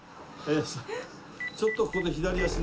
ちょっとここで。